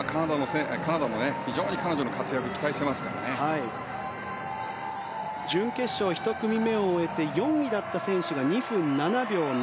カナダも非常に彼女の活躍を準決勝１組目を終えて４位だった選手が２分７秒７７。